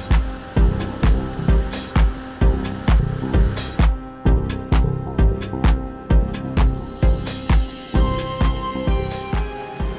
semoga kalian terus lebih baik